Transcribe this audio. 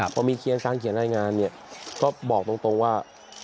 พอมีเขียนการเขียนรายงานเนี่ยก็บอกตรงว่า